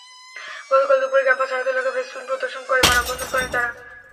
গতকাল দুপুরে ক্যাম্পাসে হাতে লেখা ফেস্টুন প্রদর্শন করে মানববন্ধন করেন তাঁরা।